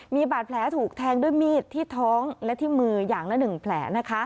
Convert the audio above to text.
มีบาดแผลถูกแทงด้วยมีดที่ท้องและที่มืออย่างละ๑แผล